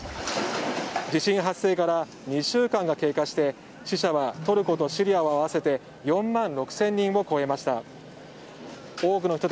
地震発生から２週間が経過して死者はトルコとシリアを合わせて４万６０００人を超えました。